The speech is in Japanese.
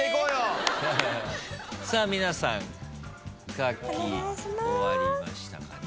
さあ皆さん書き終わりましたかね。